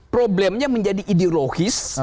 problemnya menjadi ideologis